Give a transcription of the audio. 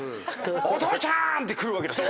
「お父ちゃーん！」って来るわけですよ。